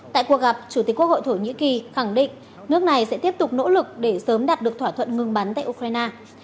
tại cuộc gặp chủ tịch quốc hội thổ nhĩ kỳ khẳng định nước này sẽ tiếp tục nỗ lực để sớm đạt được thỏa thuận ngừng bắn tại ukraine